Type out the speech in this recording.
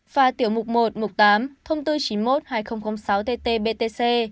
và tiểu một một tám thông tư chín mươi một hai nghìn sáu tt btc